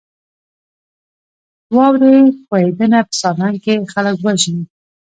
واورې ښویدنه په سالنګ کې خلک وژني؟